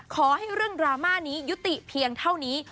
ขอให้เรื่องดราม่านี้ยุติเพียงเท่านี้